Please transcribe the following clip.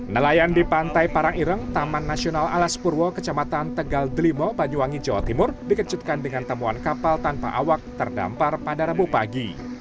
nelayan di pantai parangireng taman nasional alas purwo kecamatan tegal delimo banyuwangi jawa timur dikejutkan dengan temuan kapal tanpa awak terdampar pada rabu pagi